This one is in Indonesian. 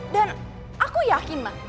dan aku yakin ma